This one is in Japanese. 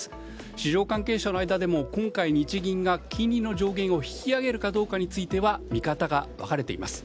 市場関係者の間でも今回、日銀が金利の上限を引き上げるかどうかについては見方が分かれています。